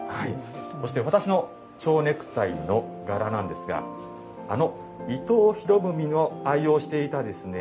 そして私の蝶ネクタイの柄なんですがあの伊藤博文の愛用していたですね